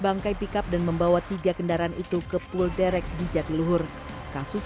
bangkai pickup dan membawa tiga kendaraan itu ke pul derek di jatiluhur kasus